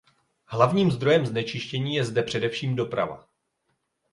Hlavním zdrojem znečištění je zde především doprava.